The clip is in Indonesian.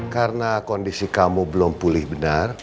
karena kondisi kamu belum pulih benar